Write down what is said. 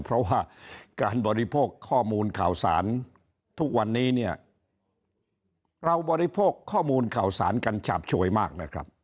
เพราะว่าการบริโภคข้อมูลข่าวสารทุกวันนี้เนี่ยเราบริโภคข้อมูลข่าวสารกันฉาบโฉยมากนะครับ